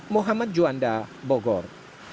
mohamad juanda bogor